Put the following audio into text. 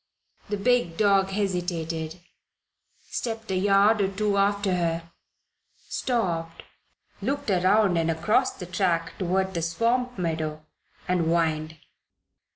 The big dog hesitated, stepped a yard or two after her, stopped, looked around and across the track toward the swamp meadow, and whined.